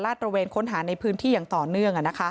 ตระเวนค้นหาในพื้นที่อย่างต่อเนื่อง